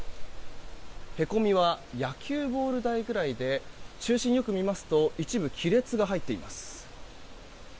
へこみは野球ボール大くらいで中心よく見ますと一部亀裂が入っています。